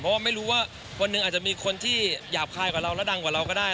เพราะว่าไม่รู้ว่าวันหนึ่งอาจจะมีคนที่หยาบคายกว่าเราแล้วดังกว่าเราก็ได้